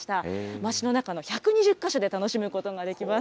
町の中の１２０か所で楽しむことができます。